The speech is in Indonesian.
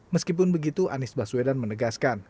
meskipun begitu anies baswedan menegaskan